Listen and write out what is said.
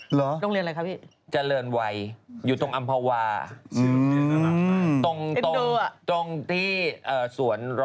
โรงเรียนอะไรคะพี่เจริญวัยอยู่ตรงอำภาวาตรงที่สวน๑๐๐